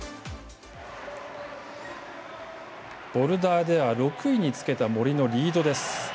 ボルダーでは６位につけた森のリードです。